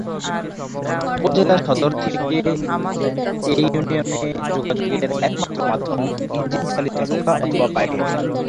উপজেলা সদর থেকে এ ইউনিয়নে যোগাযোগের একমাত্র মাধ্যম ইঞ্জিন চালিত নৌকা অথবা পায়ে হেঁটে।